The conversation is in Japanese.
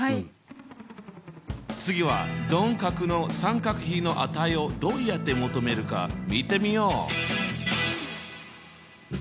次は鈍角の三角比の値をどうやって求めるか見てみよう！